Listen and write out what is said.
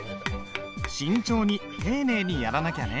慎重に丁寧にやらなきゃね。